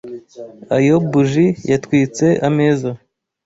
Ayo buji yatwitse ameza.